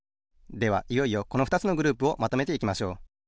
ではいよいよこのふたつのグループをまとめていきましょう。